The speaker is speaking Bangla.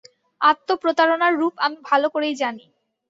আত্মপ্রতারণার রুপ আমি ভালো করেই জানি।